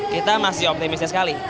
kita masih optimisnya sekali